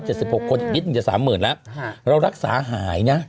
อีกนิดนึงจะ๓๐๐๐๐แล้วเรารักษาหายนะ